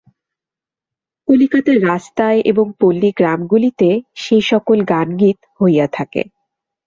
কলিকাতার রাস্তায় এবং পল্লীগ্রামগুলিতে সেই-সকল গান গীত হইয়া থাকে।